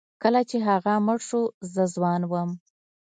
کله چې هغه مړ شو زه ځوان وم.